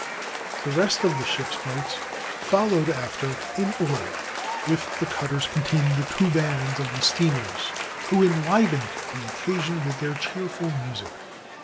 The rest of the ships' boats fol lowed after in order, with the cutters containing the two bands of the steamers, who enlivened the occasion with their cheerful music.